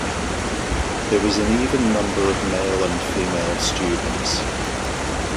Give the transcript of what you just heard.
There was an even number of male and female students.